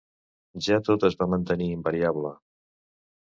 Ja tot és va mantenir invariable.